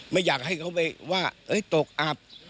ไม่อยากให้เขาไปว่าตกอับ